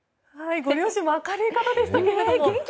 ご両親も明るい方でしたね。